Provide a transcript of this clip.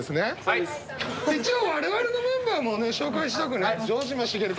一応我々のメンバーも紹介しとくね。